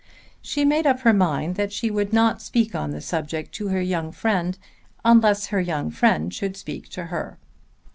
She made up her mind that she would not speak on the subject to her young friend unless her young friend should speak to her.